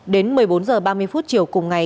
đến một mươi bốn h ba mươi phút chiều cùng ngày